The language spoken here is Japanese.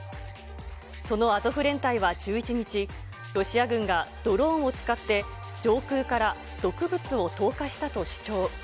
そのアゾフ連隊は１１日、ロシア軍がドローンを使って上空から毒物を投下したと主張。